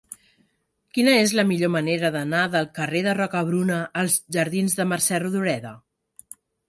Quina és la millor manera d'anar del carrer de Rocabruna als jardins de Mercè Rodoreda?